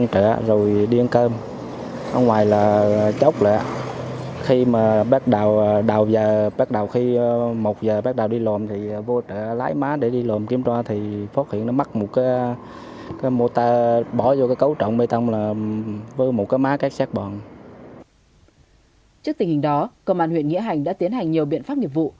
trước tình hình đó công an huyện nghĩa hành đã tiến hành nhiều biện pháp nghiệp vụ